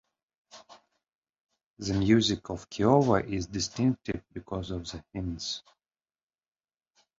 The music of Kiowa is distinctive because of the hymns.